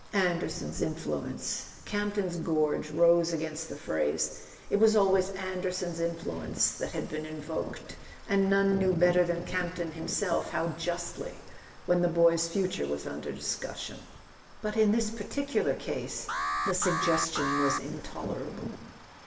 "Anderson's influence " Camp ton's gorge rose against the phrase ! It was always Anderson's influence that had been invoked—and none knew better than Campton himself how justly—when the boy's future was under discussion. But in this particular case the suggestion was intolerable.